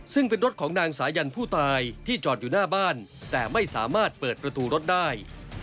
ซึ่งเป็นรถของนางสายันผู้ตายที่จอดอยู่หน้าบ้านแต่ไม่สามารถเปิดประตูรถได้